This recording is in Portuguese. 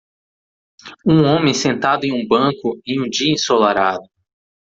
Um homem sentado em um banco em um dia ensolarado.